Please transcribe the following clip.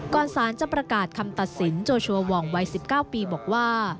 สารจะประกาศคำตัดสินโจชัวร์วองวัย๑๙ปีบอกว่า